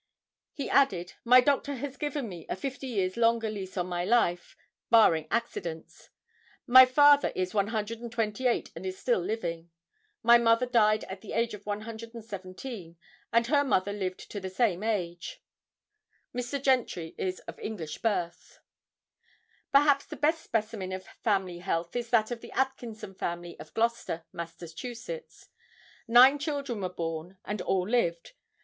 He added: "My doctor has given me a fifty years' longer lease on my life, barring accidents. My father is 128 and is still living. My mother died at the age of 117, and her mother lived to the same age." Mr. Gentry is of English birth. Perhaps the best specimen of family health is that of the Atkinson family of Gloucester, Mass. Nine children were born, and all lived.